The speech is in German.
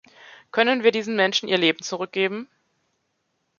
Können wir diesen Menschen ihr Leben zurückgeben?